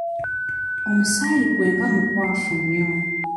Omusaayi gwe nga mukwafu nnyo.